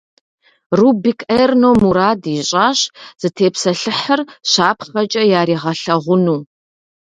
Рубик Эрно мурад ищIащ зытепсэлъыхьыр щапхъэкIэ яригъэлъэгъуну.